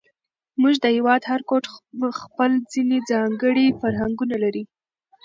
زموږ د هېواد هر ګوټ خپل ځېنې ځانګړي فرهنګونه لري،